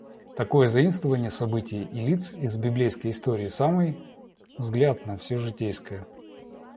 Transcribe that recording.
Такое заимствование событий и лиц из библейской истории, самый взгляд на всё житейское.